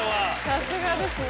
さすがですね。